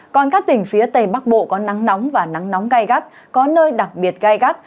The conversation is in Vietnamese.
còn các tỉnh phía tây bắc bộ có nắng nóng và nắng nóng gai gắt có nơi đặc biệt gai gắt